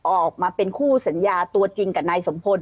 ออกมาเป็นคู่สัญญาตัวจริงกับนายสมพล